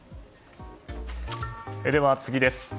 では、次です。